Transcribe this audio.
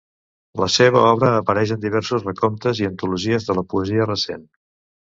La seva obra apareix en diversos recomptes i antologies de la poesia recent.